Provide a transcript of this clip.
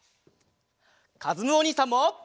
かずむおにいさんも！